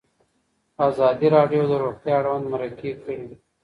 ازادي راډیو د روغتیا اړوند مرکې کړي.